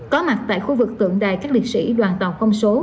có mặt tại khu vực tượng đài các liệt sĩ đoàn tàu không số